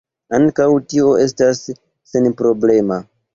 Ankaŭ tio estas senproblema.